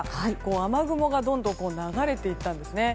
雨雲がどんどん流れていったんですね。